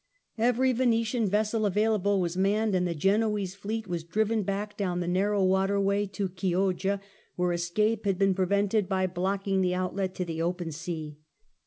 Every Venetian ves sel available was manned, and the Genoese fleet was driven back down the narrow water way to Chioggia, where escape had been prevented by blocking the out let to the open sea.